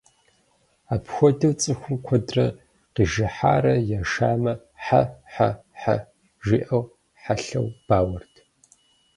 Апхуэдэу, цӀыхум куэдрэ къижыхьарэ ешамэ «хьэ-хьэ-хьэ» жиӀэу хьэлъэу бауэрт.